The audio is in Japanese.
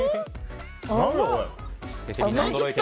何だこれ。